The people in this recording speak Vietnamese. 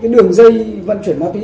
đường dây vận chuyển ma túy